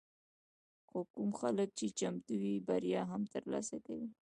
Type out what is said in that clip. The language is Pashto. خو کوم خلک چې چمتو وي، بریا هم ترلاسه کوي.